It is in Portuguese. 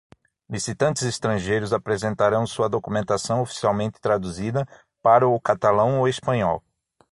Licitantes estrangeiros apresentarão sua documentação oficialmente traduzida para o catalão ou espanhol.